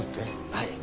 はい。